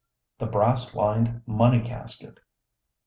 THE BRASS LINED MONEY CASKET.